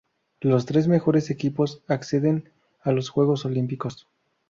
Los tres mejores equipos acceden a los Juegos Olímpicos.